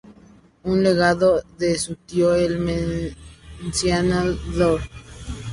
Un legado de su tío, el mencionado Dr.